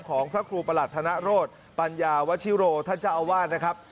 พระครูประหลัดธนโรธปัญญาวชิโรท่านเจ้าอาวาสนะครับ